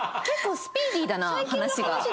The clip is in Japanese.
結構スピーディーだな話が。